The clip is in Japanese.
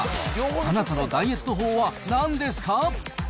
あなたのダイエット法はなんですか？